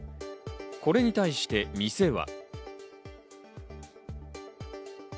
これに対して店は。